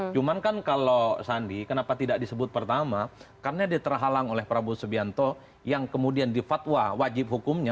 cuman kan kalau sandi kenapa tidak disebut pertama karena dia terhalang oleh prabowo subianto yang kemudian di fatwa wajib hukumnya